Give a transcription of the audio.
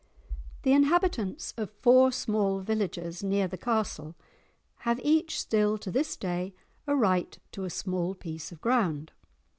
The inhabitants of four small villages near the castle have each still to this day a right to a small piece of ground.